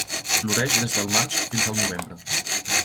Floreix des del maig fins al novembre.